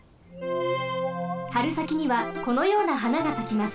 はるさきにはこのようなはながさきます。